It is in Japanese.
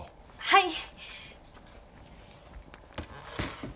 はい。